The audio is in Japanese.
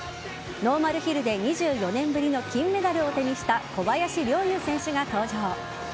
ノーマルヒルで２４年ぶりの金メダルを手にした小林陵侑選手が登場。